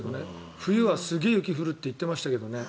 冬はすげえ雪が降るって言ってましたけどね。